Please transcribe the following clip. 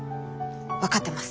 分かってます。